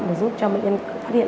để giúp cho bệnh nhân phát hiện